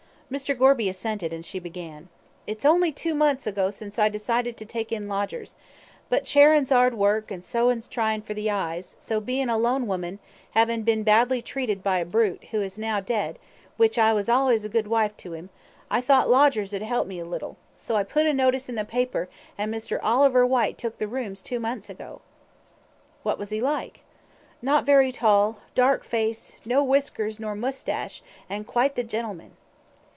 Mr. Gorby assented, and she began: "It's only two months ago since I decided to take in lodgers; but charin's 'ard work, and sewin's tryin' for the eyes, so, bein' a lone woman, 'avin' bin badly treated by a brute, who is now dead, which I was allays a good wife to 'im, I thought lodgers 'ud 'elp me a little, so I put a notice in the paper, an' Mr. Oliver Whyte took the rooms two months ago." "What was he like?" "Not very tall, dark face, no whiskers nor moustache, an' quite the gentleman."